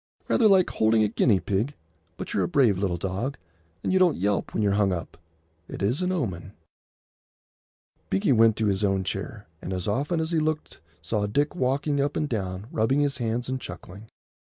"Rather like holding a guinea pig; but you're a brave little dog, and you don't yelp when you're hung up. It is an omen." Binkie went to his own chair, and as often as he looked saw Dick walking up and down, rubbing his hands and chuckling.